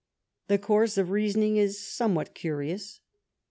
The course of reasoning is somewhat curious.